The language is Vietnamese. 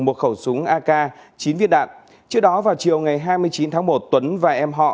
một khẩu súng ak chín viên đạn trước đó vào chiều ngày hai mươi chín tháng một tuấn và em họ